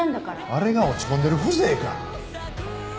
あれが落ち込んでる風情か。